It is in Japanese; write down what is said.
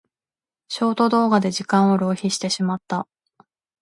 ショート動画で時間を浪費してしまった。